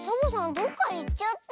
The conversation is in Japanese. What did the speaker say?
どっかいっちゃった。